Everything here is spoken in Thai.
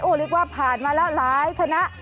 เรียกว่าผ่านมาแล้วหลายคณะ